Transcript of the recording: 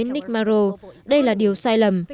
nick marrow đây là điều sai lầm